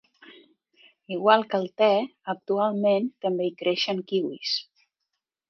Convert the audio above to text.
Igual que el te, actualment també hi creixen kiwis.